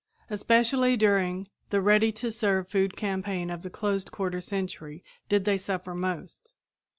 Especially during the "ready to serve" food campaign of the closed quarter century did they suffer most.